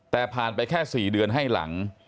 แต่ผ่านไปแค่๔เดือนให้หลัง